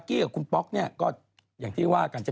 เดี๋ยวเขาก็จัดให้อีกแล้ว